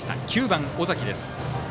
９番、尾崎です。